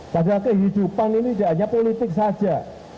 padahal kehidupan ini tidak hanya politik saja